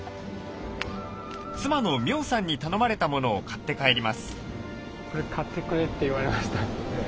妻の苗さんに頼まれたものを買って帰ります。